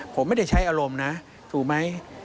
ผมไม่ได้ใช้อารมณ์นะถูกไหม